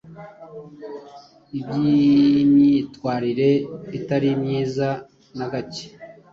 ibyimyitwarire itari myiza nagacye